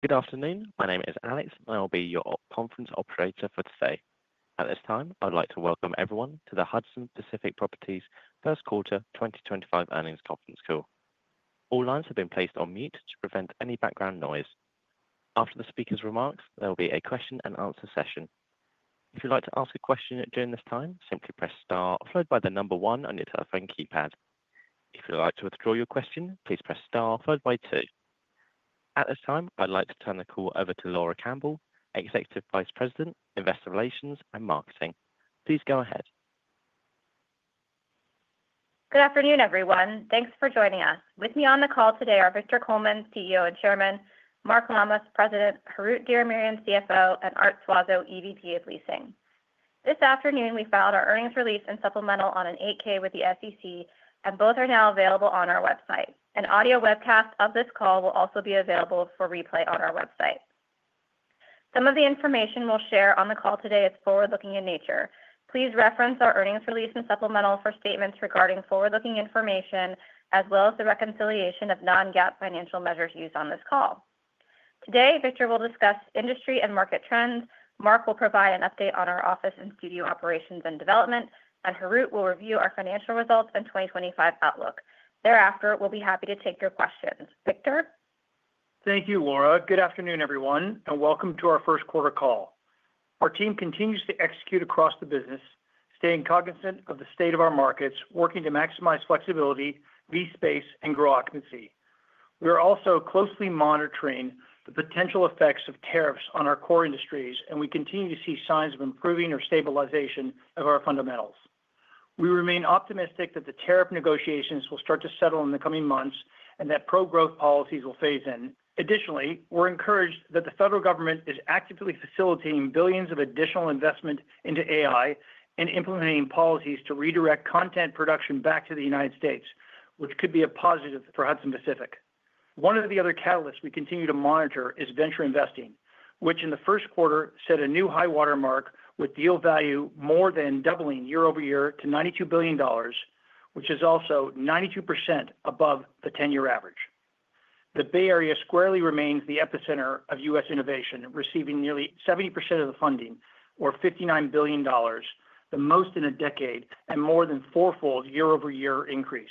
Good afternoon. My name is Alex, and I'll be your conference operator for today. At this time, I'd like to welcome everyone to the Hudson Pacific Properties First Quarter 2025 Earnings Conference Call. All lines have been placed on mute to prevent any background noise. After the speaker's remarks, there will be a question-and-answer session. If you'd like to ask a question during this time, simply press star followed by the number one on your telephone keypad. If you'd like to withdraw your question, please press star followed by two. At this time, I'd like to turn the call over to Laura Campbell, Executive Vice President, Investor Relations and Marketing. Please go ahead. Good afternoon, everyone. Thanks for joining us. With me on the call today are Victor Coleman, CEO and Chairman; Mark Lammas, President; Harout Diramerian, CFO; and Art Suazo, EVP of Leasing. This afternoon, we filed our earnings release and supplemental on an 8K with the SEC, and both are now available on our website. An audio webcast of this call will also be available for replay on our website. Some of the information we'll share on the call today is forward-looking in nature. Please reference our earnings release and supplemental for statements regarding forward-looking information, as well as the reconciliation of non-GAAP financial measures used on this call. Today, Victor will discuss industry and market trends. Mark will provide an update on our office and studio operations and development, and Harout will review our financial results and 2025 outlook. Thereafter, we'll be happy to take your questions. Victor? Thank you, Laura. Good afternoon, everyone, and welcome to our First Quarter Call. Our team continues to execute across the business, staying cognizant of the state of our markets, working to maximize flexibility, lease space, and grow occupancy. We are also closely monitoring the potential effects of tariffs on our core industries, and we continue to see signs of improving or stabilization of our fundamentals. We remain optimistic that the tariff negotiations will start to settle in the coming months and that pro-growth policies will phase in. Additionally, we're encouraged that the federal government is actively facilitating billions of additional investment into AI and implementing policies to redirect content production back to the United States, which could be a positive for Hudson Pacific. One of the other catalysts we continue to monitor is venture investing, which in the first quarter set a new high watermark with deal value more than doubling year over year to $92 billion, which is also 92% above the 10-year average. The Bay Area squarely remains the epicenter of U.S. innovation, receiving nearly 70% of the funding, or $59 billion, the most in a decade and more than four-fold year-over-year increase.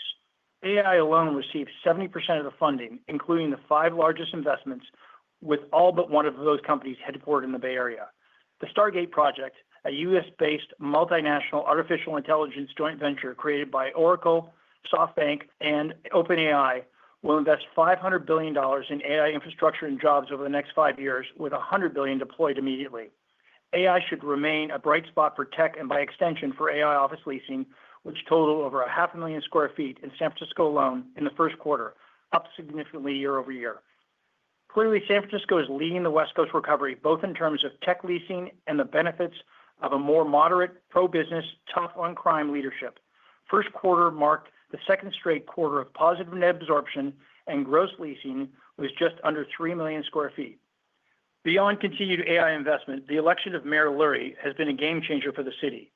AI alone received 70% of the funding, including the five largest investments, with all but one of those companies headquartered in the Bay Area. The Stargate Project, a U.S.-based multinational artificial intelligence joint venture created by Oracle, SoftBank, and OpenAI, will invest $500 billion in AI infrastructure and jobs over the next five years, with $100 billion deployed immediately. AI should remain a bright spot for tech and, by extension, for AI office leasing, which totaled over 500,000 sq ft in San Francisco alone in the first quarter, up significantly year over year. Clearly, San Francisco is leading the West Coast recovery, both in terms of tech leasing and the benefits of a more moderate, pro-business, tough-on-crime leadership. First quarter marked the second straight quarter of positive net absorption, and gross leasing was just under 3 million sq ft. Beyond continued AI investment, the election of Mayor Lurie has been a game changer for the city,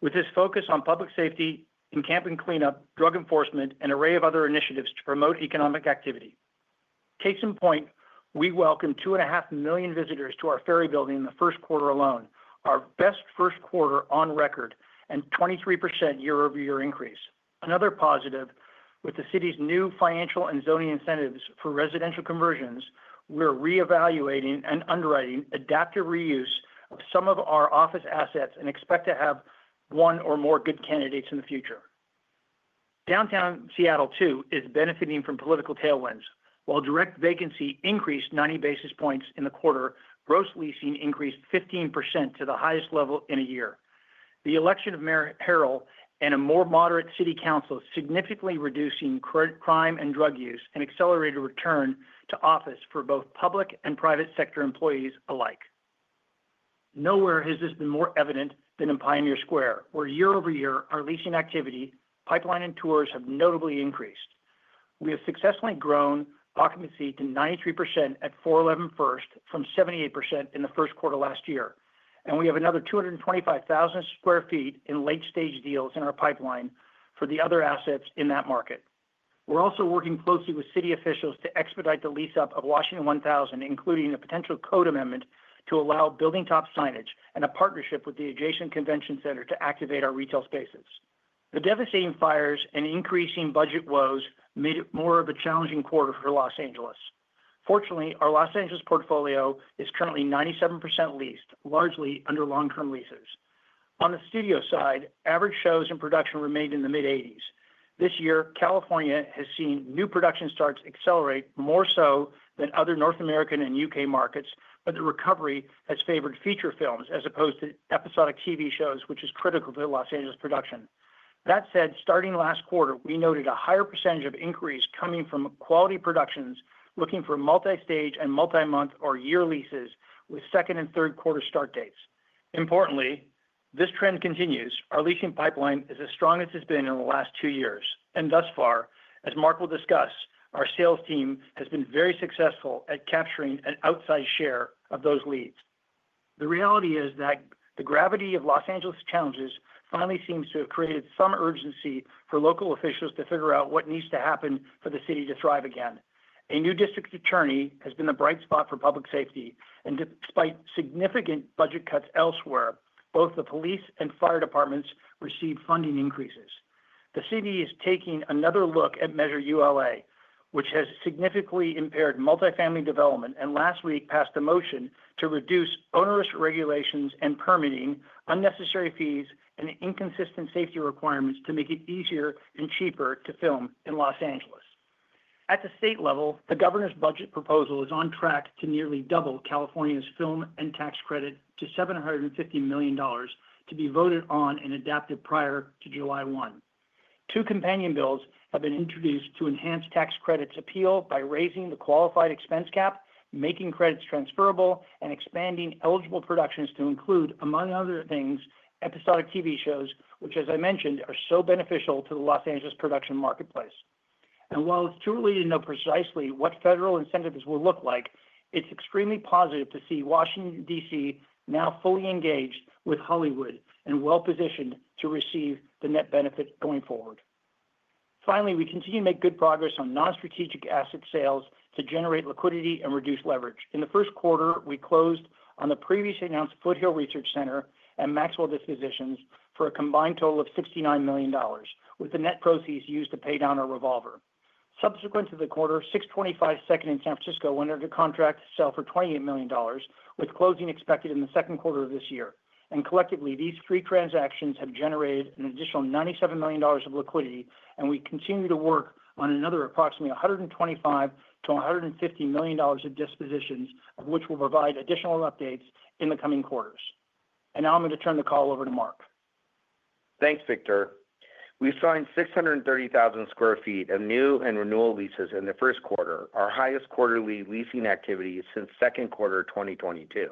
with his focus on public safety, encampment cleanup, drug enforcement, and an array of other initiatives to promote economic activity. Case in point, we welcomed two and a half million visitors to our Ferry Building in the first quarter alone, our best first quarter on record, and a 23% year-over-year increase. Another positive, with the city's new financial and zoning incentives for residential conversions, we're reevaluating and underwriting adaptive reuse of some of our office assets and expect to have one or more good candidates in the future. Downtown Seattle, too, is benefiting from political tailwinds. While direct vacancy increased 90 basis points in the quarter, gross leasing increased 15% to the highest level in a year. The election of Mayor Harrell and a more moderate city council significantly reducing crime and drug use and accelerated return to office for both public and private sector employees alike. Nowhere has this been more evident than in Pioneer Square, where year over year, our leasing activity, pipeline, and tours have notably increased. We have successfully grown occupancy to 93% at 411 First from 78% in the first quarter last year, and we have another 225,000 sq ft in late-stage deals in our pipeline for the other assets in that market. We're also working closely with city officials to expedite the lease-up of Washington 1000, including a potential code amendment to allow building top signage and a partnership with the adjacent convention center to activate our retail spaces. The devastating fires and increasing budget woes made it more of a challenging quarter for Los Angeles. Fortunately, our Los Angeles portfolio is currently 97% leased, largely under long-term leases. On the studio side, average shows and production remained in the mid-80s. This year, California has seen new production starts accelerate more so than other North American and U.K. markets, but the recovery has favored feature films as opposed to episodic TV shows, which is critical to Los Angeles production. That said, starting last quarter, we noted a higher percentage of inquiries coming from quality productions looking for multi-stage and multi-month or year leases with second and third quarter start dates. Importantly, this trend continues. Our leasing pipeline is as strong as it's been in the last two years, and thus far, as Mark will discuss, our sales team has been very successful at capturing an outsized share of those leads. The reality is that the gravity of Los Angeles challenges finally seems to have created some urgency for local officials to figure out what needs to happen for the city to thrive again. A new district attorney has been the bright spot for public safety, and despite significant budget cuts elsewhere, both the police and fire departments received funding increases. The city is taking another look at Measure ULA, which has significantly impaired multifamily development, and last week passed a motion to reduce onerous regulations and permitting, unnecessary fees, and inconsistent safety requirements to make it easier and cheaper to film in Los Angeles. At the state level, the governor's budget proposal is on track to nearly double California's film and tax credit to $750 million to be voted on and adapted prior to July 1. Two companion bills have been introduced to enhance tax credits' appeal by raising the qualified expense cap, making credits transferable, and expanding eligible productions to include, among other things, episodic TV shows, which, as I mentioned, are so beneficial to the Los Angeles production marketplace. While it's too early to know precisely what federal incentives will look like, it's extremely positive to see Washington, D.C., now fully engaged with Hollywood and well-positioned to receive the net benefit going forward. Finally, we continue to make good progress on non-strategic asset sales to generate liquidity and reduce leverage. In the first quarter, we closed on the previously announced Foothill Research Center and Maxwell dispositions for a combined total of $69 million, with the net proceeds used to pay down our revolver. Subsequent to the quarter, 625 Second in San Francisco went under contract to sell for $28 million, with closing expected in the second quarter of this year. Collectively, these three transactions have generated an additional $97 million of liquidity, and we continue to work on another approximately $125-$150 million of dispositions, of which we'll provide additional updates in the coming quarters. Now I'm going to turn the call over to Mark. Thanks, Victor. We signed 630,000 sq ft of new and renewal leases in the first quarter, our highest quarterly leasing activity since second quarter 2022.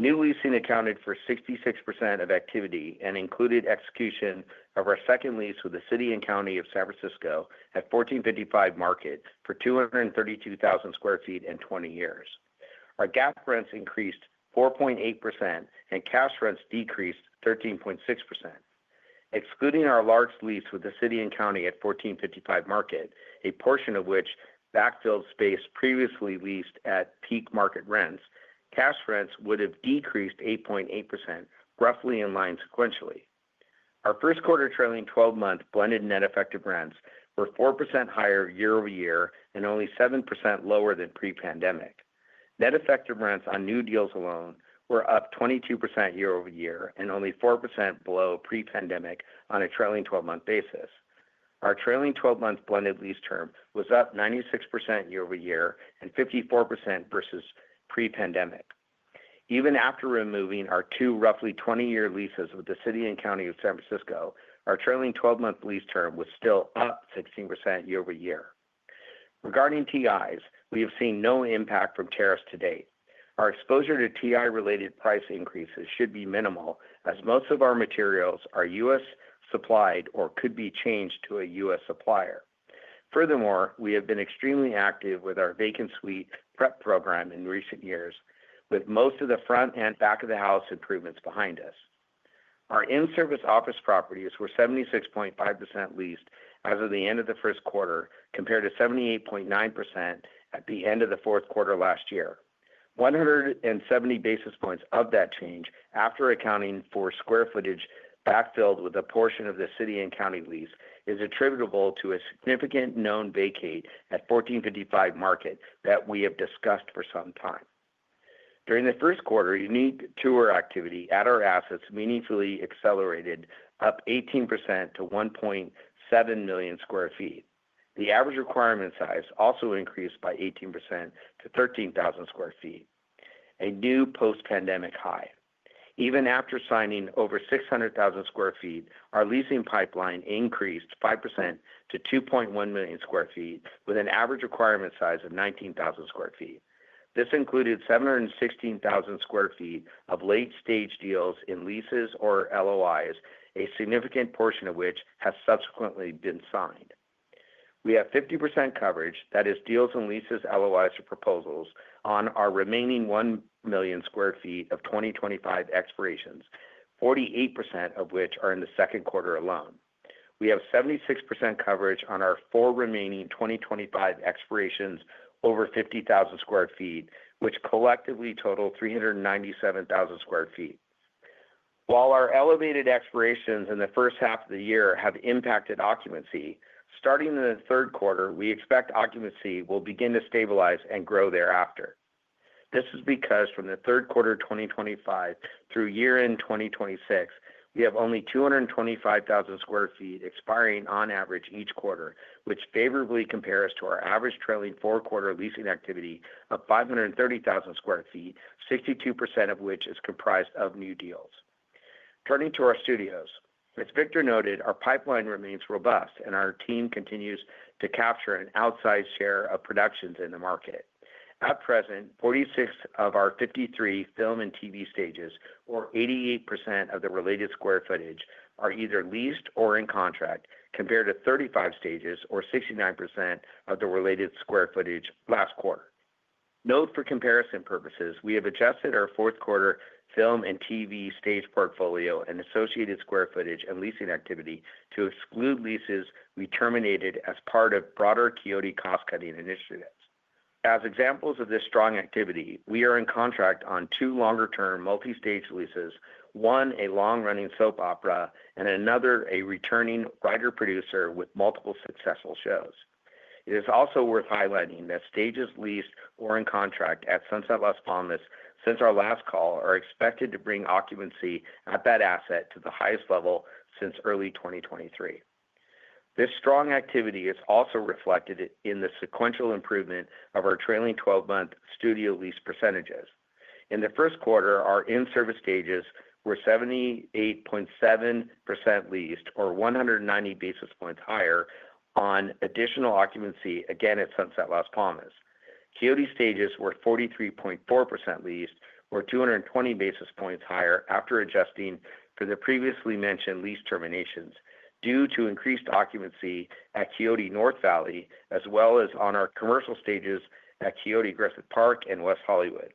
New leasing accounted for 66% of activity and included execution of our second lease with the City and County of San Francisco at 1455 Market for 232,000 sq ft in 20 years. Our cash rents increased 4.8%, and cash rents decreased 13.6%. Excluding our large lease with the City and County at 1455 Market, a portion of which backfilled space previously leased at peak market rents, cash rents would have decreased 8.8%, roughly in line sequentially. Our first quarter trailing 12-month blended net effective rents were 4% higher year over year and only 7% lower than pre-pandemic. Net effective rents on new deals alone were up 22% year over year and only 4% below pre-pandemic on a trailing 12-month basis. Our trailing 12-month blended lease term was up 96% year over year and 54% versus pre-pandemic. Even after removing our two roughly 20-year leases with the City and County of San Francisco, our trailing 12-month lease term was still up 16% year over year. Regarding TIs, we have seen no impact from tariffs to date. Our exposure to TI-related price increases should be minimal, as most of our materials are U.S. supplied or could be changed to a U.S. supplier. Furthermore, we have been extremely active with our vacant suite prep program in recent years, with most of the front and back of the house improvements behind us. Our in-service office properties were 76.5% leased as of the end of the first quarter, compared to 78.9% at the end of the fourth quarter last year. 170 basis points of that change, after accounting for square footage backfilled with a portion of the City and County lease, is attributable to a significant known vacate at 1455 Market that we have discussed for some time. During the first quarter, unique tour activity at our assets meaningfully accelerated up 18% to 1.7 million sq ft. The average requirement size also increased by 18% to 13,000 sq ft, a new post-pandemic high. Even after signing over 600,000 sq ft, our leasing pipeline increased 5% to 2.1 million sq ft, with an average requirement size of 19,000 sq ft. This included 716,000 sq ft of late-stage deals in leases or LOIs, a significant portion of which has subsequently been signed. We have 50% coverage; that is, deals and leases, LOIs, or proposals on our remaining 1 million sq ft of 2025 expirations, 48% of which are in the second quarter alone. We have 76% coverage on our four remaining 2025 expirations over 50,000 sq ft, which collectively total 397,000 sq ft. While our elevated expirations in the first half of the year have impacted occupancy, starting in the third quarter, we expect occupancy will begin to stabilize and grow thereafter. This is because from the third quarter 2025 through year-end 2026, we have only 225,000 sq ft expiring on average each quarter, which favorably compares to our average trailing four-quarter leasing activity of 530,000 sq ft, 62% of which is comprised of new deals. Turning to our studios, as Victor noted, our pipeline remains robust, and our team continues to capture an outsized share of productions in the market. At present, 46 of our 53 film and TV stages, or 88% of the related square footage, are either leased or in contract, compared to 35 stages, or 69% of the related square footage last quarter. Note for comparison purposes, we have adjusted our fourth quarter film and TV stage portfolio and associated square footage and leasing activity to exclude leases we terminated as part of broader Quixote cost-cutting initiatives. As examples of this strong activity, we are in contract on two longer-term multi-stage leases: one, a long-running soap opera, and another, a returning writer-producer with multiple successful shows. It is also worth highlighting that stages leased or in contract at Sunset Las Palmas since our last call are expected to bring occupancy at that asset to the highest level since early 2023. This strong activity is also reflected in the sequential improvement of our trailing 12-month studio lease percentages. In the first quarter, our in-service stages were 78.7% leased, or 190 basis points higher on additional occupancy again at Sunset Las Palmas. Quixote stages were 43.4% leased, or 220 basis points higher after adjusting for the previously mentioned lease terminations due to increased occupancy at Quixote North Valley, as well as on our commercial stages at Quixote Griffith Park and West Hollywood.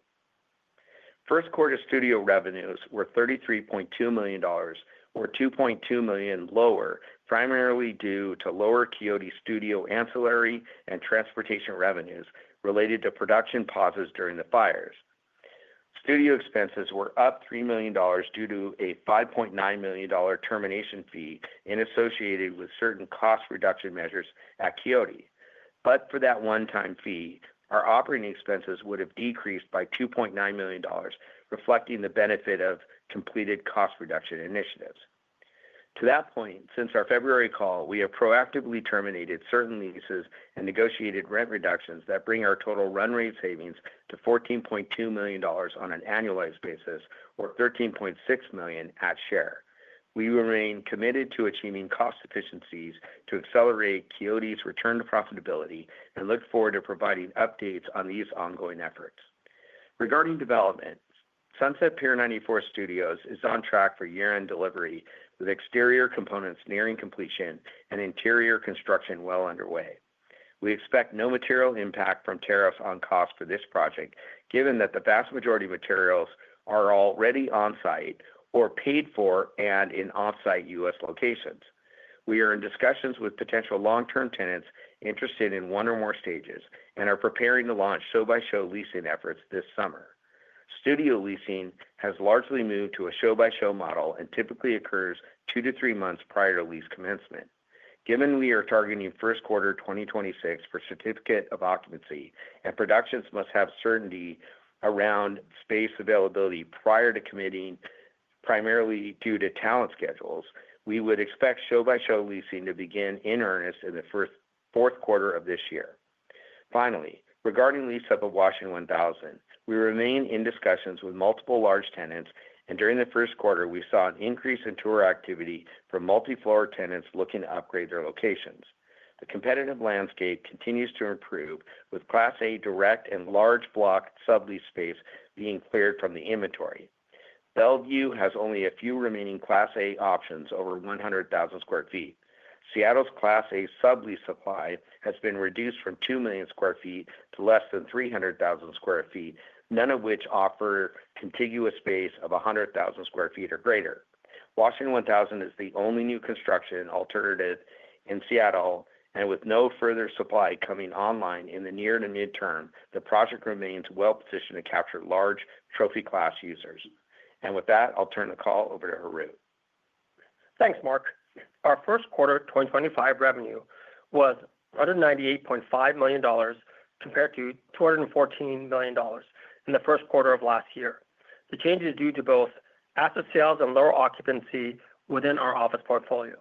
First quarter studio revenues were $33.2 million, or $2.2 million lower, primarily due to lower Quixote studio ancillary and transportation revenues related to production pauses during the fires. Studio expenses were up $3 million due to a $5.9 million termination fee associated with certain cost reduction measures at Quixote. If not for that one-time fee, our operating expenses would have decreased by $2.9 million, reflecting the benefit of completed cost reduction initiatives. To that point, since our February call, we have proactively terminated certain leases and negotiated rent reductions that bring our total run rate savings to $14.2 million on an annualized basis, or $13.6 million at share. We remain committed to achieving cost efficiencies to accelerate Quixote's return to profitability and look forward to providing updates on these ongoing efforts. Regarding development, Sunset Pier 94 Studios is on track for year-end delivery with exterior components nearing completion and interior construction well underway. We expect no material impact from tariffs on cost for this project, given that the vast majority of materials are already on site or paid for and in off-site U.S. locations. We are in discussions with potential long-term tenants interested in one or more stages and are preparing to launch show-by-show leasing efforts this summer. Studio leasing has largely moved to a show-by-show model and typically occurs two to three months prior to lease commencement. Given we are targeting first quarter 2026 for certificate of occupancy and productions must have certainty around space availability prior to committing, primarily due to talent schedules, we would expect show-by-show leasing to begin in earnest in the fourth quarter of this year. Finally, regarding lease of the Washington 1000, we remain in discussions with multiple large tenants, and during the first quarter, we saw an increase in tour activity from multi-floor tenants looking to upgrade their locations. The competitive landscape continues to improve, with Class A direct and large block sublease space being cleared from the inventory. Bellevue has only a few remaining Class A options over 100,000 sq ft. Seattle's Class A sublease supply has been reduced from 2 million sq ft to less than 300,000 sq ft, none of which offer contiguous space of 100,000 sq ft or greater. Washington 1000 is the only new construction alternative in Seattle, and with no further supply coming online in the near to midterm, the project remains well-positioned to capture large trophy class users. With that, I'll turn the call over to Harout. Thanks, Mark. Our first quarter 2025 revenue was $198.5 million compared to $214 million in the first quarter of last year. The change is due to both asset sales and lower occupancy within our office portfolio.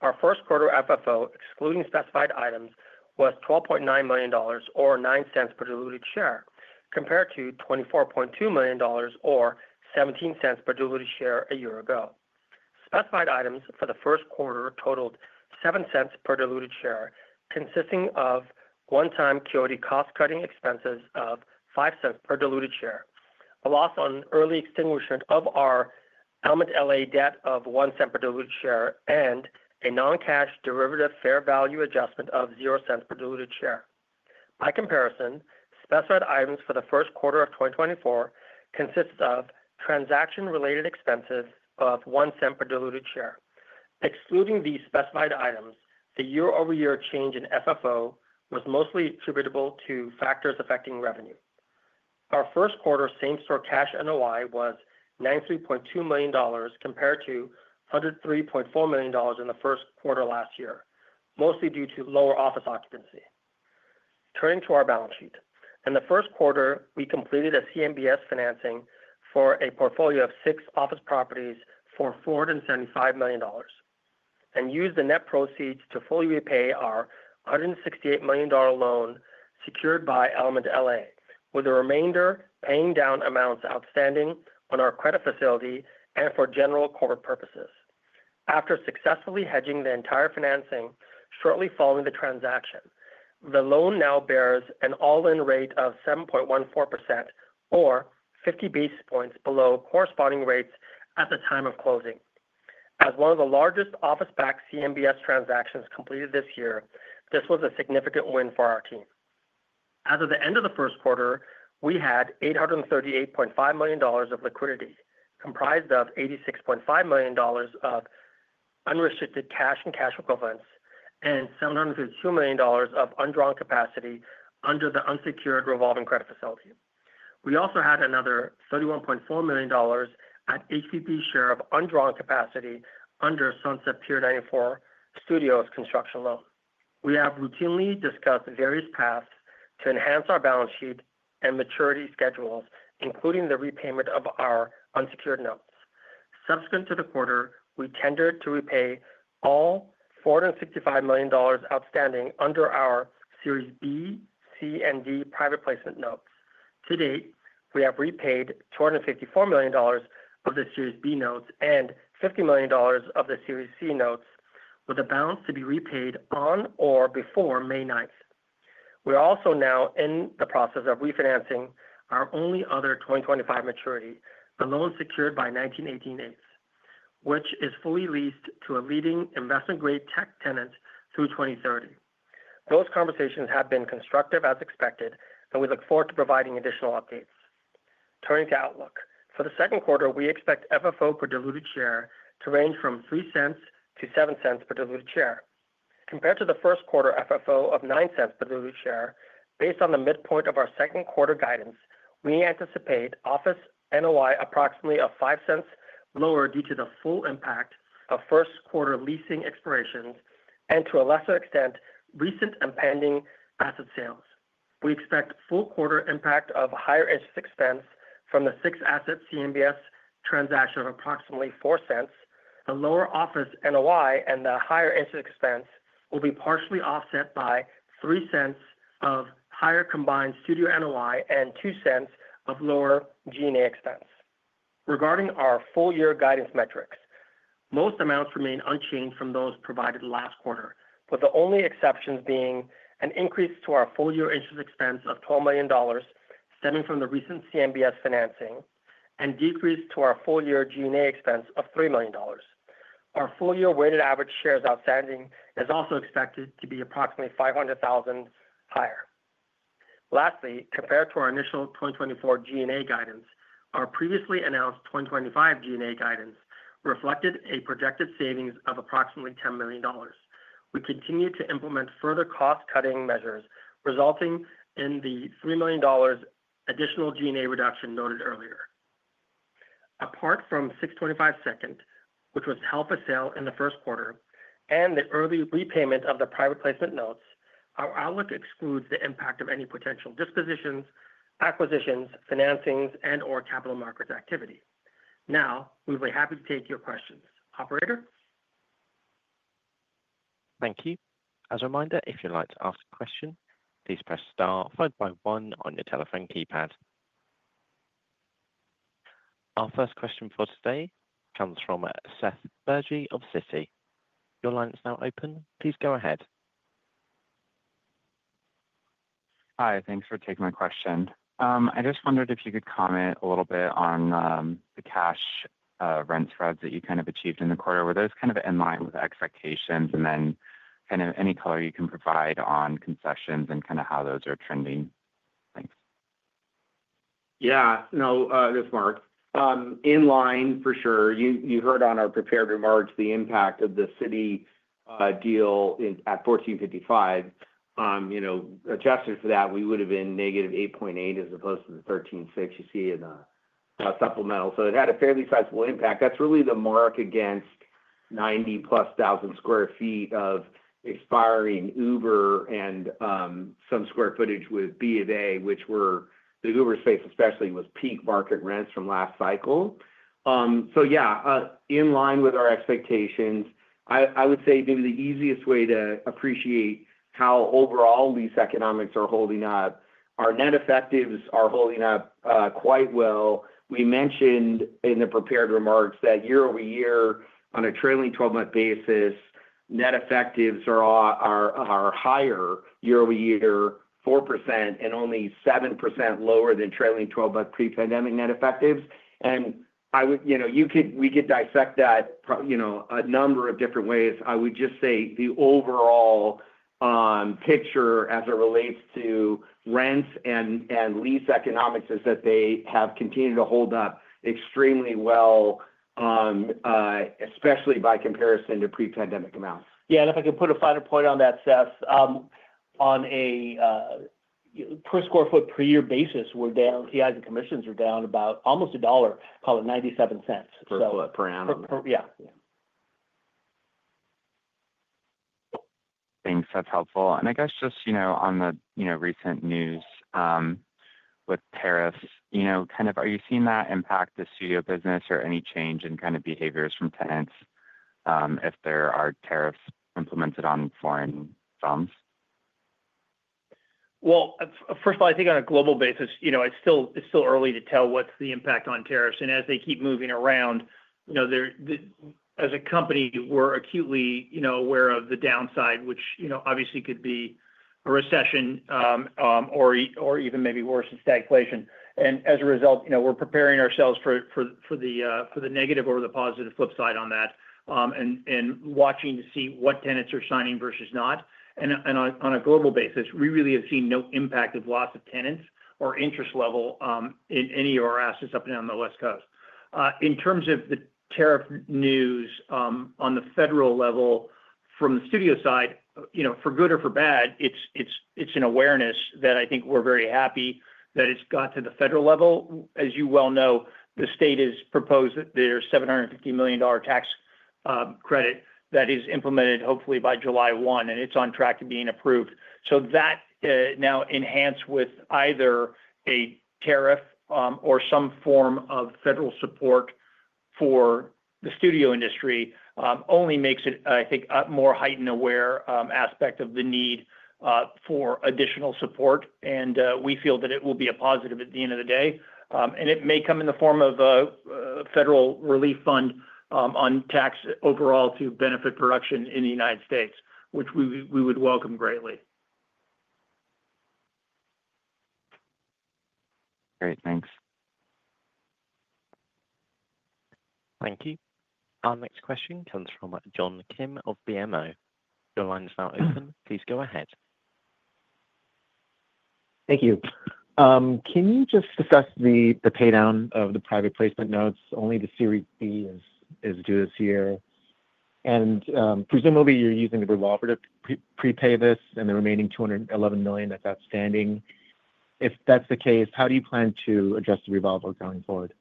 Our first quarter FFO, excluding specified items, was $12.9 million, or $0.09 per diluted share, compared to $24.2 million, or $0.17 per diluted share a year ago. Specified items for the first quarter totaled $0.07 per diluted share, consisting of one-time Quixote cost-cutting expenses of $0.05 per diluted share, a loss on early extinguishment of our Element L.A. debt of $0.01 per diluted share, and a non-cash derivative fair value adjustment of $0.00 per diluted share. By comparison, specified items for the first quarter of 2024 consist of transaction-related expenses of $0.01 per diluted share. Excluding these specified items, the year-over-year change in FFO was mostly attributable to factors affecting revenue. Our first quarter same-store cash NOI was $93.2 million compared to $103.4 million in the first quarter last year, mostly due to lower office occupancy. Turning to our balance sheet, in the first quarter, we completed a CMBS financing for a portfolio of six office properties for $475 million and used the net proceeds to fully repay our $168 million loan secured by Element L.A., with the remainder paying down amounts outstanding on our credit facility and for general corporate purposes. After successfully hedging the entire financing shortly following the transaction, the loan now bears an all-in rate of 7.14%, or 50 basis points below corresponding rates at the time of closing. As one of the largest office-backed CMBS transactions completed this year, this was a significant win for our team. As of the end of the first quarter, we had $838.5 million of liquidity, comprised of $86.5 million of unrestricted cash and cash equivalents, and $752 million of undrawn capacity under the unsecured revolving credit facility. We also had another $31.4 million at HPP share of undrawn capacity under Sunset Pier 94 Studios construction loan. We have routinely discussed various paths to enhance our balance sheet and maturity schedules, including the repayment of our unsecured notes. Subsequent to the quarter, we intended to repay all $465 million outstanding under our Series B, C, and D private placement notes. To date, we have repaid $254 million of the Series B notes and $50 million of the Series C notes, with the balance to be repaid on or before May 9th. We are also now in the process of refinancing our only other 2025 maturity, the loan secured by 1918 8th, which is fully leased to a leading investment-grade tech tenant through 2030. Those conversations have been constructive, as expected, and we look forward to providing additional updates. Turning to outlook, for the second quarter, we expect FFO per diluted share to range from $0.03-$0.07 per diluted share. Compared to the first quarter FFO of $0.09 per diluted share, based on the midpoint of our second quarter guidance, we anticipate office NOI approximately $0.05 lower due to the full impact of first quarter leasing expirations and, to a lesser extent, recent and pending asset sales. We expect full quarter impact of higher interest expense from the six-asset CMBS transaction of approximately $0.04. The lower office NOI and the higher interest expense will be partially offset by $0.03 of higher combined studio NOI and $0.02 of lower G&A expense. Regarding our full-year guidance metrics, most amounts remain unchanged from those provided last quarter, with the only exceptions being an increase to our full-year interest expense of $12 million stemming from the recent CMBS financing and a decrease to our full-year G&A expense of $3 million. Our full-year weighted average shares outstanding is also expected to be approximately 500,000 higher. Lastly, compared to our initial 2024 G&A guidance, our previously announced 2025 G&A guidance reflected a projected savings of approximately $10 million. We continue to implement further cost-cutting measures, resulting in the $3 million additional G&A reduction noted earlier. Apart from 625 Second, which was held for sale in the first quarter, and the early repayment of the private placement notes, our outlook excludes the impact of any potential dispositions, acquisitions, financings, and/or capital markets activity. Now, we'd be happy to take your questions. Operator? Thank you. As a reminder, if you'd like to ask a question, please press star followed by one on your telephone keypad. Our first question for today comes from Seth Bergey of Citi. Your line is now open. Please go ahead. Hi. Thanks for taking my question. I just wondered if you could comment a little bit on the cash rent spreads that you kind of achieved in the quarter. Were those kind of in line with expectations? Any color you can provide on concessions and kind of how those are trending. Thanks. Yeah. No, this is Mark. In line, for sure. You heard on our prepared remarks the impact of the City deal at 1455. Adjusted for that, we would have been negative 8.8% as opposed to the 136% you see in the supplemental. It had a fairly sizable impact. That is really the mark against 90,000-plus sq ft of expiring Uber and some square footage with B of A, which were the Uber space especially was peak market rents from last cycle. Yeah, in line with our expectations, I would say maybe the easiest way to appreciate how overall these economics are holding up, our net effectives are holding up quite well. We mentioned in the prepared remarks that year-over-year, on a trailing 12-month basis, net effectives are higher year-over-year 4% and only 7% lower than trailing 12-month pre-pandemic net effectives. You could dissect that a number of different ways. I would just say the overall picture as it relates to rents and lease economics is that they have continued to hold up extremely well, especially by comparison to pre-pandemic amounts. Yeah. If I could put a finer point on that, Seth, on a per square foot per year basis, the LTIs and commissions are down about almost $1, call it $0.97. Per foot per annum. Yeah. Thanks. That's helpful. I guess just on the recent news with tariffs, are you seeing that impact the studio business or any change in behaviors from tenants if there are tariffs implemented on foreign films? First of all, I think on a global basis, it's still early to tell what's the impact on tariffs. As they keep moving around, as a company, we're acutely aware of the downside, which obviously could be a recession or even maybe worse, a stagflation. As a result, we're preparing ourselves for the negative or the positive flip side on that and watching to see what tenants are signing versus not. On a global basis, we really have seen no impact of loss of tenants or interest level in any of our assets up and down the West Coast. In terms of the tariff news on the federal level from the studio side, for good or for bad, it's an awareness that I think we're very happy that it's got to the federal level. As you well know, the state has proposed that there's a $750 million tax credit that is implemented hopefully by July 1, and it's on track to being approved. That now enhanced with either a tariff or some form of federal support for the studio industry only makes it, I think, a more heightened aware aspect of the need for additional support. We feel that it will be a positive at the end of the day. It may come in the form of a federal relief fund on tax overall to benefit production in the United States, which we would welcome greatly. Great. Thanks. Thank you. Our next question comes from John Kim of BMO. Your line is now open. Please go ahead. Thank you. Can you just discuss the paydown of the private placement notes? Only the Series B is due this year. Presumably, you're using the revolver to prepay this and the remaining $211 million that's outstanding. If that's the case, how do you plan to address the revolver going forward?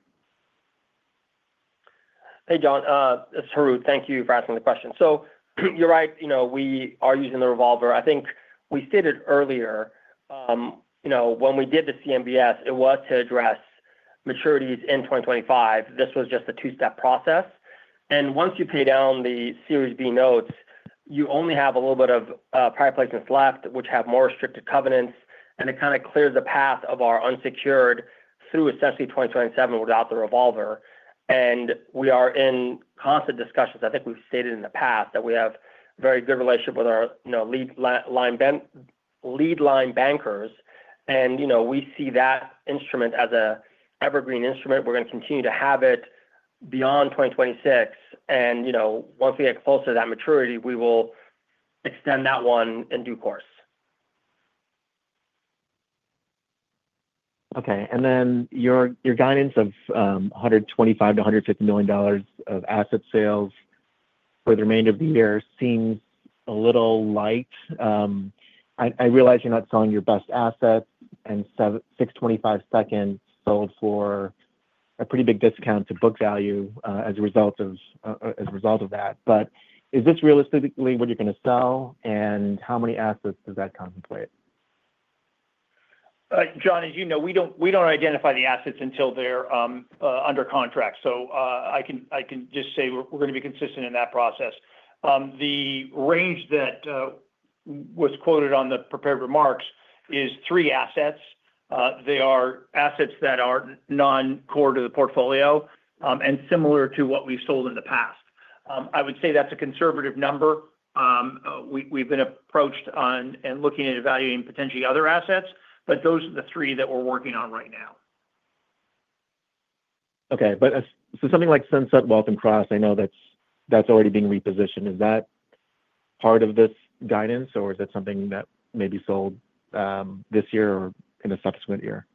Hey, John. This is Harout. Thank you for asking the question. You're right. We are using the revolver. I think we stated earlier when we did the CMBS, it was to address maturities in 2025. This was just a two-step process. Once you pay down the Series B notes, you only have a little bit of private placements left, which have more restricted covenants. It kind of clears the path of our unsecured through essentially 2027 without the revolver. We are in constant discussions. I think we've stated in the past that we have a very good relationship with our lead line bankers. We see that instrument as an evergreen instrument. We're going to continue to have it beyond 2026. Once we get close to that maturity, we will extend that one in due course. Okay. Your guidance of $125 million-$150 million of asset sales for the remainder of the year seems a little light. I realize you're not selling your best assets. 625 Second sold for a pretty big discount to book value as a result of that. Is this realistically what you're going to sell? How many assets does that contemplate? John, as you know, we don't identify the assets until they're under contract. I can just say we're going to be consistent in that process. The range that was quoted on the prepared remarks is three assets. They are assets that are non-core to the portfolio and similar to what we've sold in the past. I would say that's a conservative number. We've been approached on and looking at evaluating potentially other assets, but those are the three that we're working on right now. Okay. So something like Sunset Waltham Cross, I know that's already being repositioned. Is that part of this guidance, or is that something that may be sold this year or in a subsequent year?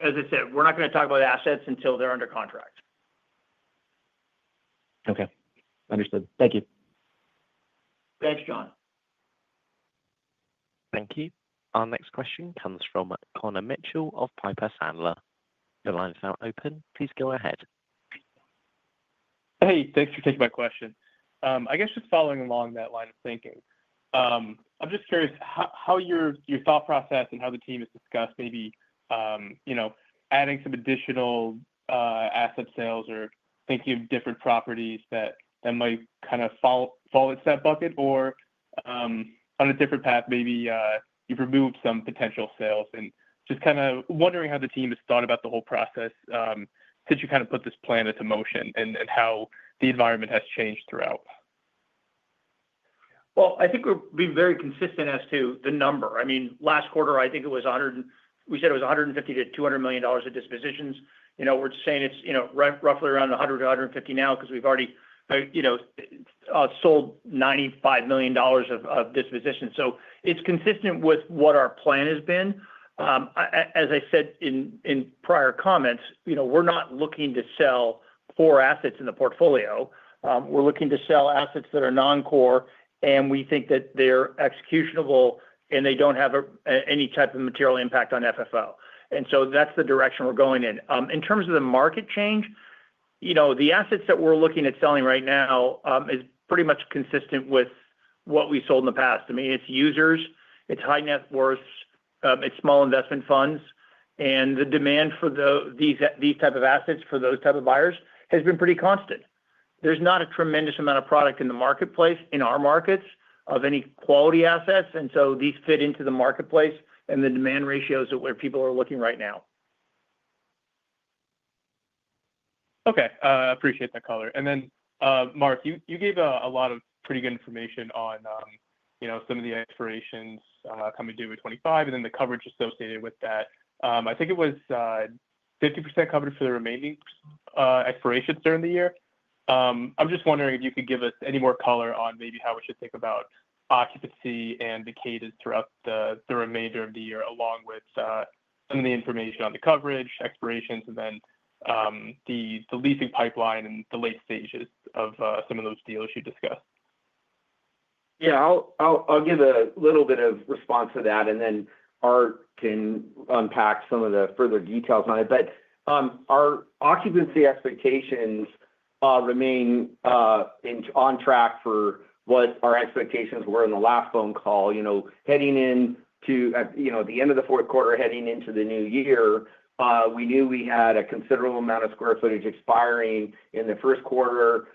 As I said, we're not going to talk about assets until they're under contract. Okay. Understood. Thank you. Thanks, John. Thank you. Our next question comes from Connor Mitchell of Piper Sandler. Your line is now open. Please go ahead. Hey, thanks for taking my question. I guess just following along that line of thinking, I'm just curious how your thought process and how the team has discussed maybe adding some additional asset sales or thinking of different properties that might kind of fall into that bucket or on a different path, maybe you've removed some potential sales. Just kind of wondering how the team has thought about the whole process since you kind of put this plan into motion and how the environment has changed throughout. I think we've been very consistent as to the number. Last quarter, I think it was 100, we said it was $150 million-$200 million of dispositions. We're saying it's roughly around $100 million-$150 million now because we've already sold $95 million of disposition. It's consistent with what our plan has been. As I said in prior comments, we're not looking to sell core assets in the portfolio. We're looking to sell assets that are non-core, and we think that they're executionable and they don't have any type of material impact on FFO. That's the direction we're going in. In terms of the market change, the assets that we're looking at selling right now are pretty much consistent with what we sold in the past. It's users, it's high net worths, it's small investment funds. The demand for these type of assets for those type of buyers has been pretty constant. There is not a tremendous amount of product in the marketplace in our markets of any quality assets. These fit into the marketplace and the demand ratios of where people are looking right now. Okay. Appreciate that, Coller. Mark, you gave a lot of pretty good information on some of the expirations coming due with 2025 and then the coverage associated with that. I think it was 50% coverage for the remaining expirations during the year. I'm just wondering if you could give us any more color on maybe how we should think about occupancy and the cadence throughout the remainder of the year, along with some of the information on the coverage, expirations, and then the leasing pipeline and the late stages of some of those deals you discussed. Yeah. I'll give a little bit of response to that. And then Art can unpack some of the further details on it. But our occupancy expectations remain on track for what our expectations were in the last phone call. Heading into the end of the fourth quarter, heading into the new year, we knew we had a considerable amount of square footage expiring in the first quarter,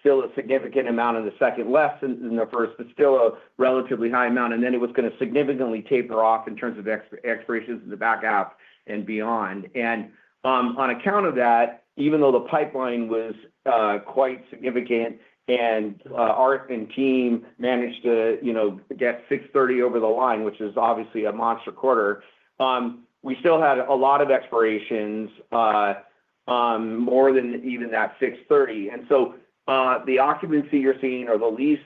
still a significant amount in the second, less than the first, but still a relatively high amount. And then it was going to significantly taper off in terms of expirations in the back half and beyond. And on account of that, even though the pipeline was quite significant and Art and team managed to get 630 over the line, which is obviously a monster quarter, we still had a lot of expirations more than even that 630. The occupancy you are seeing or the lease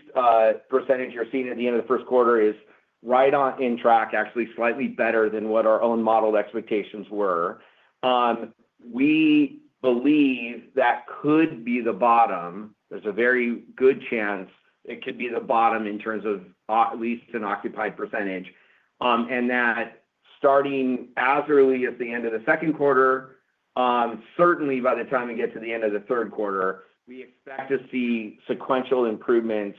percentage you are seeing at the end of the first quarter is right on track, actually slightly better than what our own modeled expectations were. We believe that could be the bottom. There is a very good chance it could be the bottom in terms of lease unoccupied percentage. Starting as early as the end of the second quarter, certainly by the time we get to the end of the third quarter, we expect to see sequential improvements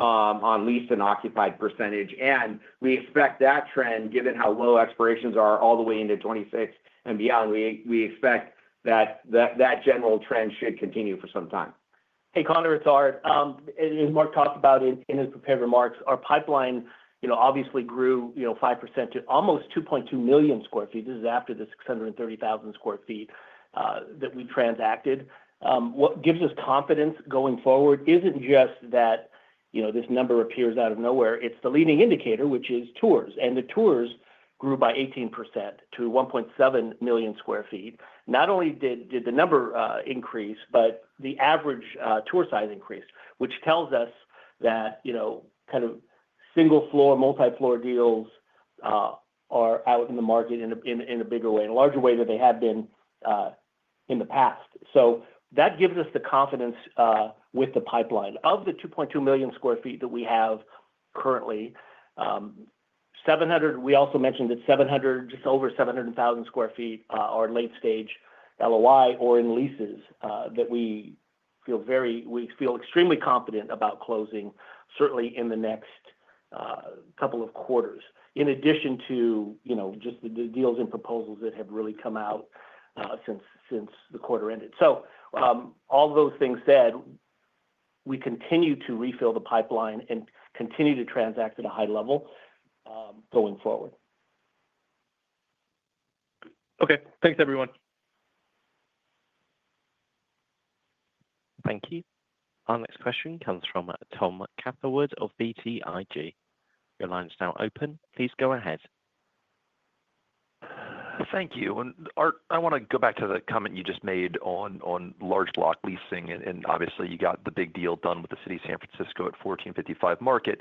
on lease unoccupied percentage. We expect that trend, given how low expirations are all the way into 2026 and beyond, should continue for some time. Hey, Connor with Art. As Mark talked about in his prepared remarks, our pipeline obviously grew 5% to almost 2.2 million sq ft. This is after the 630,000 sq ft that we transacted. What gives us confidence going forward isn't just that this number appears out of nowhere. It's the leading indicator, which is tours. The tours grew by 18% to 1.7 million sq ft. Not only did the number increase, but the average tour size increased, which tells us that kind of single-floor, multi-floor deals are out in the market in a bigger way, a larger way than they have been in the past. That gives us the confidence with the pipeline of the 2.2 million sq ft that we have currently. We also mentioned that just over 700,000 sq ft are late-stage LOI or in leases that we feel extremely confident about closing, certainly in the next couple of quarters, in addition to just the deals and proposals that have really come out since the quarter ended. All those things said, we continue to refill the pipeline and continue to transact at a high level going forward. Okay. Thanks, everyone. Thank you. Our next question comes from William Catherwood of BTIG. Your line is now open. Please go ahead. Thank you. Art, I want to go back to the comment you just made on large block leasing. Obviously, you got the big deal done with the City of San Francisco at 1455 Market.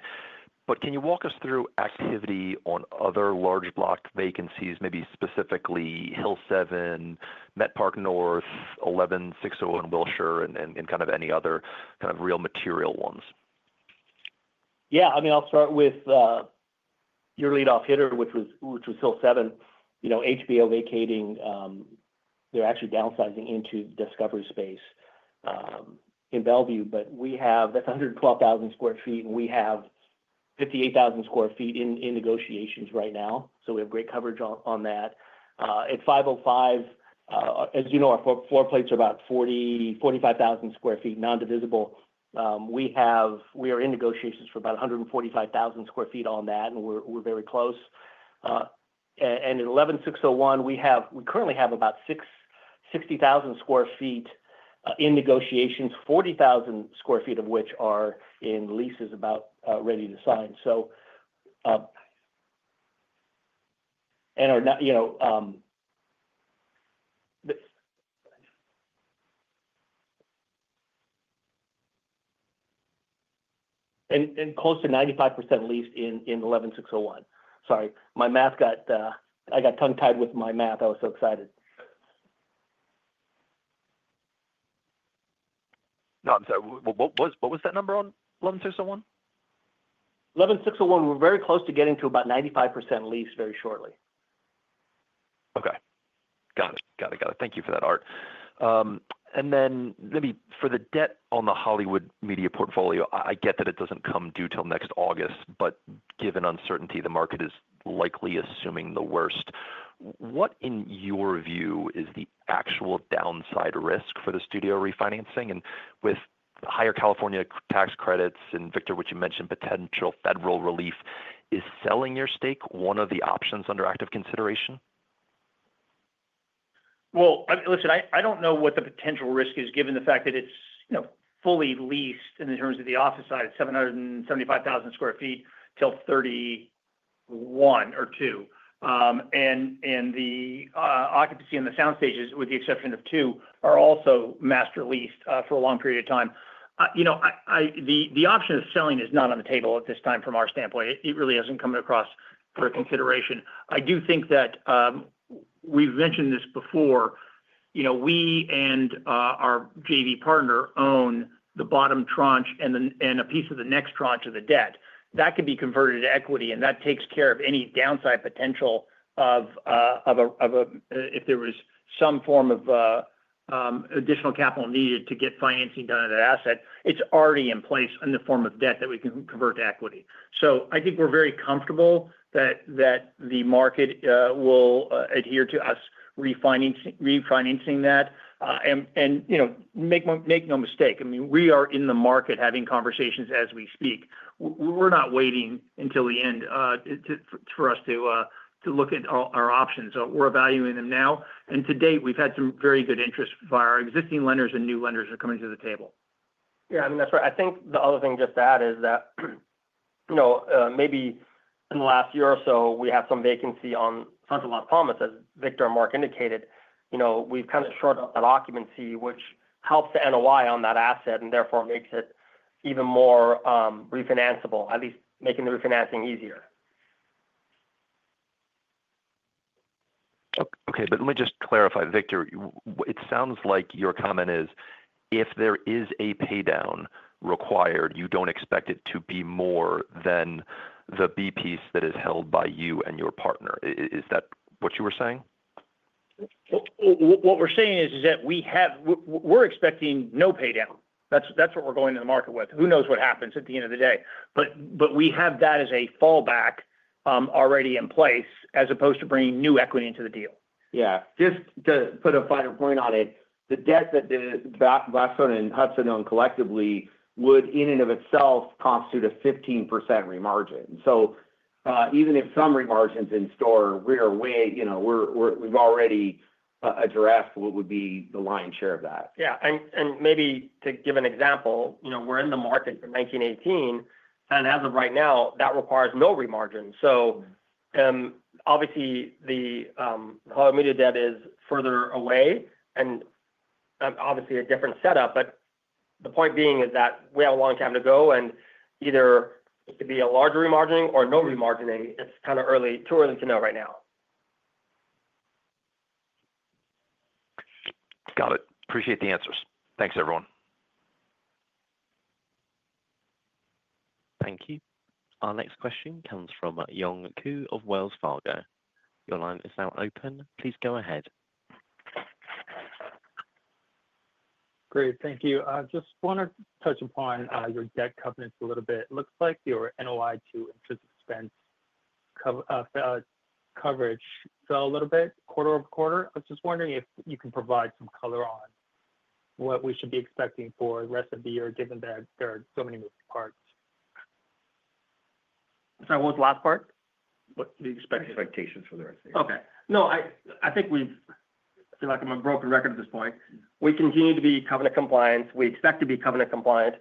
Can you walk us through activity on other large block vacancies, maybe specifically Hill 7, Met Park North, 11601 Wilshire, and kind of any other kind of real material ones? Yeah. I mean, I'll start with your lead-off hitter, which was Hill 7. HBO vacating. They're actually downsizing into Discovery Space in Bellevue. That is 112,000 sq ft. We have 58,000 sq ft in negotiations right now. We have great coverage on that. At 505, as you know, our floor plates are about 45,000 sq ft, non-divisible. We are in negotiations for about 145,000 sq ft on that, and we're very close. At 11601, we currently have about 60,000 sq ft in negotiations, 40,000 sq ft of which are in leases about ready to sign. Close to 95% leased in 11601. Sorry. I got tongue-tied with my math. I was so excited. No, I'm sorry. What was that number on 11601? 11601, we're very close to getting to about 95% leased very shortly. Okay. Got it. Got it. Got it. Thank you for that, Art. Maybe for the debt on the Hollywood Media portfolio, I get that it doesn't come due till next August. Given uncertainty, the market is likely assuming the worst. What, in your view, is the actual downside risk for the studio refinancing? With higher California tax credits and Victor, which you mentioned, potential federal relief, is selling your stake one of the options under active consideration? Listen, I do not know what the potential risk is given the fact that it is fully leased in terms of the office side. It is 775,000 sq ft till 2031 or 2032. The occupancy and the sound stages, with the exception of two, are also master leased for a long period of time. The option of selling is not on the table at this time from our standpoint. It really has not come across for consideration. I do think that we have mentioned this before. We and our JV partner own the bottom tranche and a piece of the next tranche of the debt. That could be converted to equity, and that takes care of any downside potential if there was some form of additional capital needed to get financing done on that asset. It is already in place in the form of debt that we can convert to equity. I think we're very comfortable that the market will adhere to us refinancing that. Make no mistake. I mean, we are in the market having conversations as we speak. We're not waiting until the end for us to look at our options. We're evaluating them now. To date, we've had some very good interest via our existing lenders and new lenders are coming to the table. Yeah. I mean, that's right. I think the other thing just to add is that maybe in the last year or so, we have some vacancy on Sunset Las Palmas. As Victor and Mark indicated, we've kind of shortened up that occupancy, which helps the NOI on that asset and therefore makes it even more refinanceable, at least making the refinancing easier. Okay. Let me just clarify, Victor. It sounds like your comment is if there is a paydown required, you do not expect it to be more than the B piece that is held by you and your partner. Is that what you were saying? What we're saying is that we're expecting no paydown. That's what we're going to the market with. Who knows what happens at the end of the day? We have that as a fallback already in place as opposed to bringing new equity into the deal. Yeah. Just to put a finer point on it, the debt that Blackstone and Hudson own collectively would in and of itself constitute a 15% remargin. So even if some remargins in store rear away, we've already addressed what would be the lion's share of that. Yeah. Maybe to give an example, we're in the market for 1918. As of right now, that requires no remargin. Obviously, the Hollywood Media debt is further away and obviously a different setup. The point being is that we have a long time to go. Either it could be a larger remargin or no remargining. It's kind of too early to know right now. Got it. Appreciate the answers. Thanks, everyone. Thank you. Our next question comes from Young Ku of Wells Fargo. Your line is now open. Please go ahead. Great. Thank you. Just want to touch upon your debt covenants a little bit. It looks like your NOI to interest expense coverage fell a little bit quarter over quarter. I was just wondering if you can provide some color on what we should be expecting for the rest of the year, given that there are so many moving parts. Sorry, what was the last part? What do you expect? Expectations for the rest of the year. Okay. No, I think we've—feel like I'm on broken record at this point. We continue to be covenant compliant. We expect to be covenant compliant.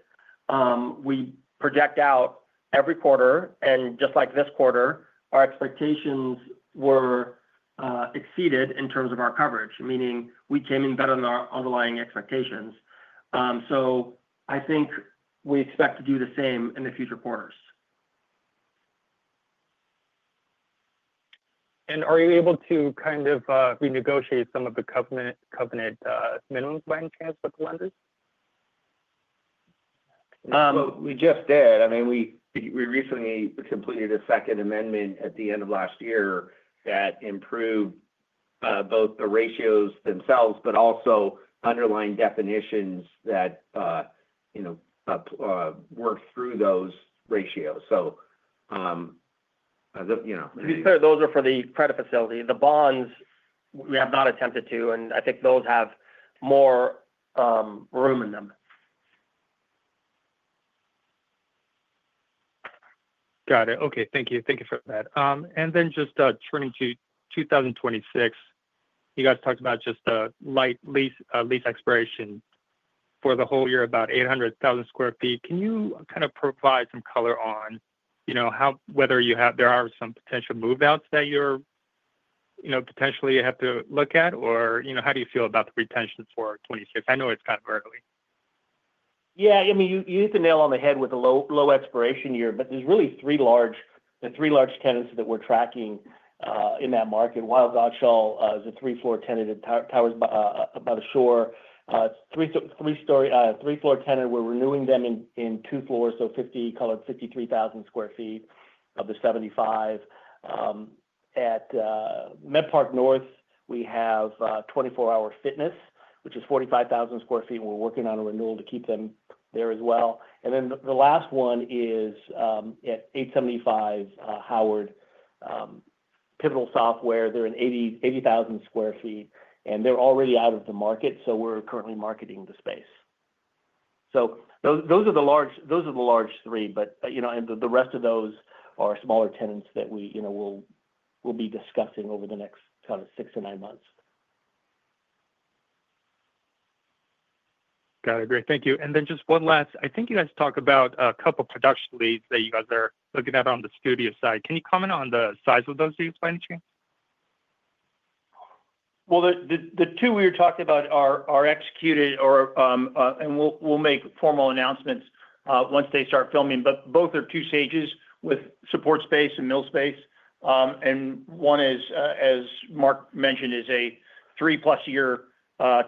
We project out every quarter. Just like this quarter, our expectations were exceeded in terms of our coverage, meaning we came in better than our underlying expectations. I think we expect to do the same in the future quarters. Are you able to kind of renegotiate some of the covenant minimum finance plans with the lenders? We just did. I mean, we recently completed a second amendment at the end of last year that improved both the ratios themselves, but also underlying definitions that worked through those ratios. Those are for the credit facility. The bonds, we have not attempted to. I think those have more room in them. Got it. Okay. Thank you. Thank you for that. Then just turning to 2026, you guys talked about just the lease expiration for the whole year, about 800,000 sq ft. Can you kind of provide some color on whether there are some potential move-outs that you potentially have to look at? Or how do you feel about the retention for 2026? I know it is kind of early. Yeah. I mean, you hit the nail on the head with the low expiration year. There are really three large tenants that we're tracking in that market. Wild Gods Shaw is a three-floor tenant at Towers by the Shore. Three-floor tenant, we're renewing them in two floors, so 53,000 sq ft of the 75,000. At Met Park North, we have 24 Hour Fitness, which is 45,000 sq ft. We're working on a renewal to keep them there as well. The last one is at 875 Howard, Pivotal Software. They're in 80,000 sq ft, and they're already out of the market. We're currently marketing the space. Those are the large three. The rest of those are smaller tenants that we will be discussing over the next kind of six to nine months. Got it. Great. Thank you. And then just one last—I think you guys talked about a couple of production leads that you guys are looking at on the studio side. Can you comment on the size of those lease financing? The two we were talking about are executed, and we'll make formal announcements once they start filming. Both are two stages with support space and mill space. One is, as Mark mentioned, a three-plus-year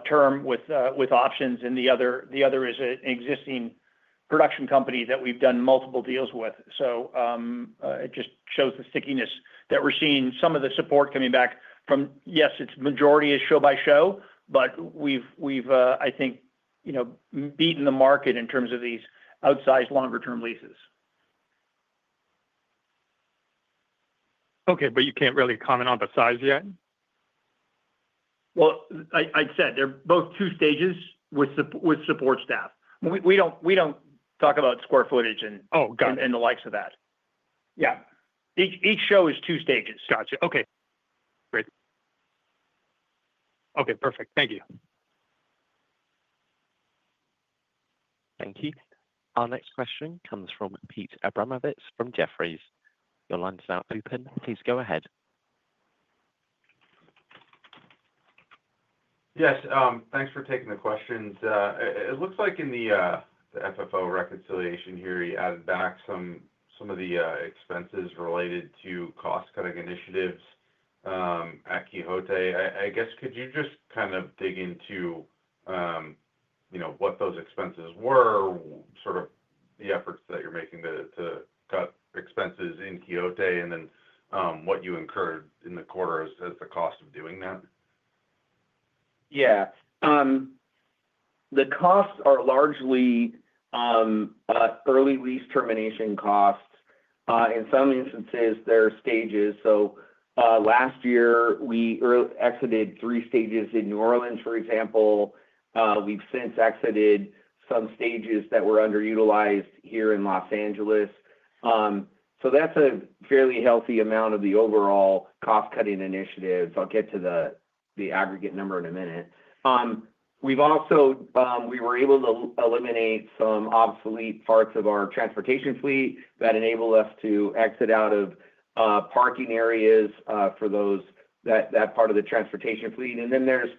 term with options. The other is an existing production company that we've done multiple deals with. It just shows the stickiness that we're seeing. Some of the support coming back from, yes, its majority is show-by-show, but we've, I think, beaten the market in terms of these outsized longer-term leases. Okay. You can't really comment on the size yet? I said they're both two stages with support staff. We don't talk about square footage and the likes of that. Oh, got it. Yeah. Each show is two stages. Gotcha. Okay. Great. Okay. Perfect. Thank you. Thank you. Our next question comes from Peter Abramowitz from Jefferies. Your line is now open. Please go ahead. Yes. Thanks for taking the questions. It looks like in the FFO reconciliation here, you added back some of the expenses related to cost-cutting initiatives at Quixote. I guess, could you just kind of dig into what those expenses were, sort of the efforts that you're making to cut expenses in Quixote, and then what you incurred in the quarters as the cost of doing that? Yeah. The costs are largely early lease termination costs. In some instances, there are stages. Last year, we exited three stages in New Orleans, for example. We've since exited some stages that were underutilized here in Los Angeles. That's a fairly healthy amount of the overall cost-cutting initiative. I'll get to the aggregate number in a minute. We were able to eliminate some obsolete parts of our transportation fleet that enabled us to exit out of parking areas for that part of the transportation fleet. Then there's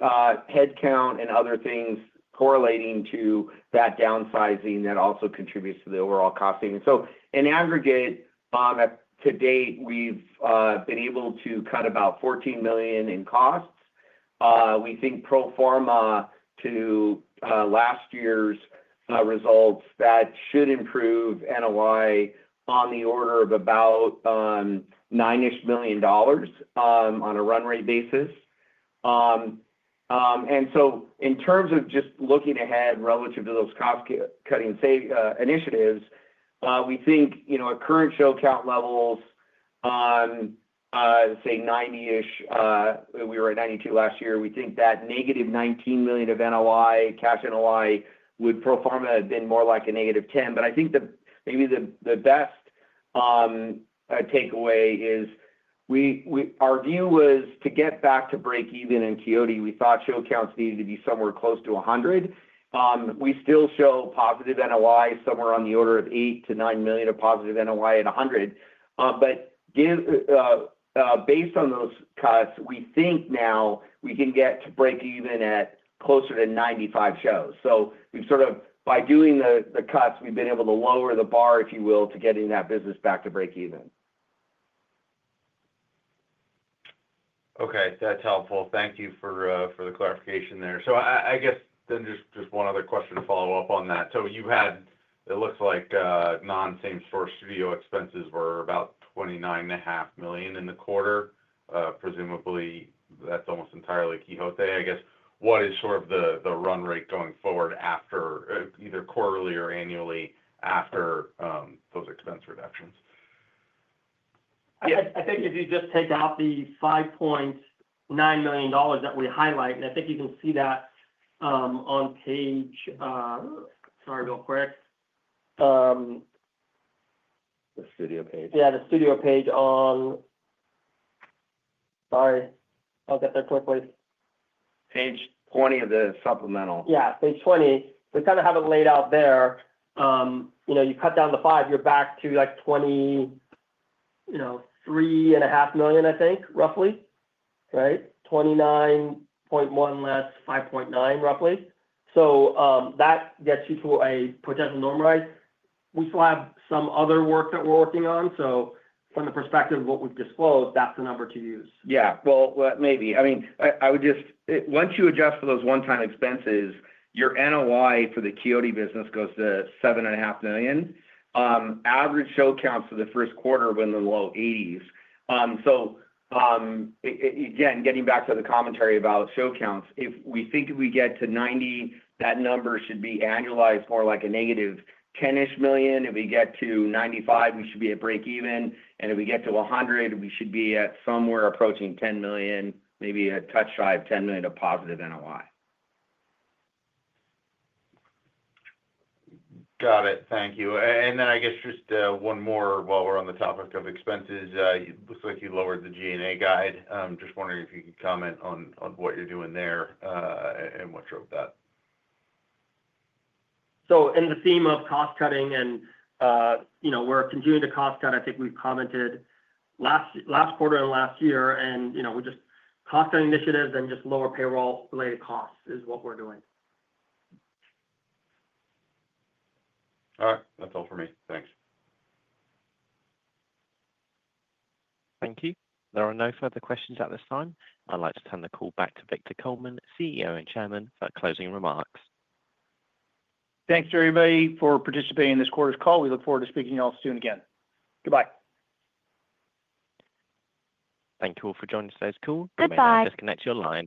headcount and other things correlating to that downsizing that also contributes to the overall costing. In aggregate, to date, we've been able to cut about $14 million in costs. We think pro forma to last year's results that should improve NOI on the order of about nine-ish million dollars on a run rate basis. In terms of just looking ahead relative to those cost-cutting initiatives, we think our current show count levels on, say, 90-ish—we were at 92 last year—we think that negative $19 million of NOI, cash NOI, would pro forma have been more like a negative $10 million. I think maybe the best takeaway is our view was to get back to break even in Quixote. We thought show counts needed to be somewhere close to 100. We still show positive NOI, somewhere on the order of $8-$9 million of positive NOI at 100. Based on those cuts, we think now we can get to break even at closer to 95 shows. By doing the cuts, we have been able to lower the bar, if you will, to getting that business back to break even. Okay. That's helpful. Thank you for the clarification there. I guess then just one other question to follow up on that. It looks like non-Same-Source Studio expenses were about $29.5 million in the quarter. Presumably, that's almost entirely Quixote. I guess, what is sort of the run rate going forward either quarterly or annually after those expense reductions? I think if you just take out the $5.9 million that we highlight—and I think you can see that on page—sorry, real quick. The studio page. Yeah, the studio page on—sorry, I'll get there quickly. Page 20 of the supplemental. Yeah, page 20. We kind of have it laid out there. You cut down the 5, you're back to like $23.5 million, I think, roughly, right? $29.1 million less $5.9 million, roughly. That gets you to a potential normalized. We still have some other work that we're working on. From the perspective of what we've disclosed, that's the number to use. Yeah. Maybe. I mean, once you adjust for those one-time expenses, your NOI for the Quixote business goes to $7.5 million. Average show counts for the first quarter were in the low 80s. Again, getting back to the commentary about show counts, if we think we get to 90, that number should be annualized more like a negative $10 million. If we get to 95, we should be at break even. If we get to 100, we should be at somewhere approaching $10 million, maybe a touch high of $10 million of positive NOI. Got it. Thank you. I guess just one more while we're on the topic of expenses. It looks like you lowered the G&A guide. Just wondering if you could comment on what you're doing there and what drove that. In the theme of cost-cutting and we're continuing to cost-cut. I think we've commented last quarter and last year. We just cost-cut initiatives and just lower payroll-related costs is what we're doing. All right. That's all for me. Thanks. Thank you. There are no further questions at this time. I'd like to turn the call back to Victor Coleman, CEO and Chairman, for closing remarks. Thanks to everybody for participating in this quarter's call. We look forward to speaking to you all soon again. Goodbye. Thank you all for joining us today, as well. Goodbye. We'll disconnect your line.